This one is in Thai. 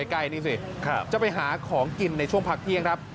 ใกล้นี่สิจะไปหาของกินในช่วงพักเที่ยงครับ